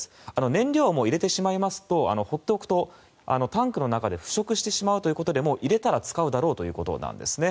燃料を入れてしまいますと放っておくとタンクの中で腐食してしまうということで入れたら使うだろうということなんですね。